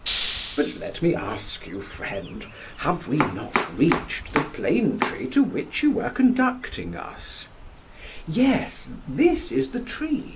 But let me ask you, friend: have we not reached the plane tree to which you were conducting us? PHAEDRUS: Yes, this is the tree.